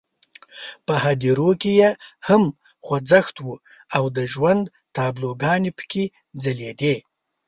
په هدیرو کې یې هم خوځښت وو او د ژوند تابلوګانې پکې ځلېدې.